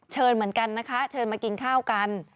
เหมือนกันนะคะเชิญมากินข้าวกัน